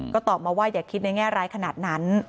ก็ตอบมาว่าอย่าคิดในแง่ร้ายขนาดนั้น